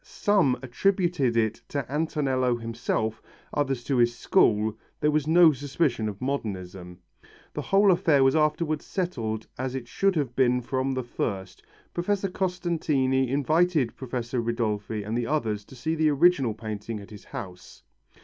Some attributed it to Antonello himself, others to his school, there was no suspicion of modernism. The whole affair was afterwards settled as it should have been from the first. Professor Costantini invited Professor Ridolfi and the others to see the original painting at his house.